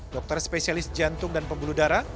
dokter spesialis jantung dan pembuluh darah